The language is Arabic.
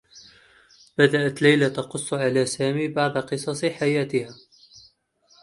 بدأت ليلى تقصّ على سامي بعض قصص حياتها.